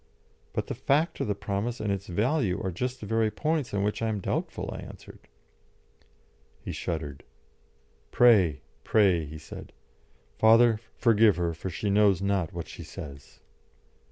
"But the fact of the promise and its value are just the very points on which I am doubtful," I answered. He shuddered. "Pray, pray," he said. "Father, forgive her, for she knows not what she says."